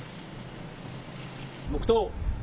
黙とう。